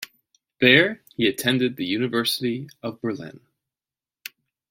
There, he attended the University of Berlin.